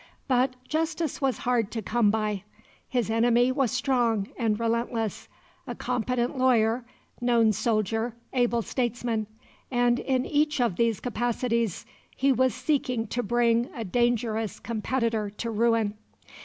But justice was hard to come by. His enemy was strong and relentless "a competent lawyer, known soldier, able statesman" and in each of these capacities he was seeking to bring a dangerous competitor to ruin.